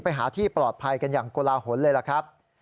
ไปหาที่ปลอดภัยกันอย่างโกลาหลเลยล่ะครับ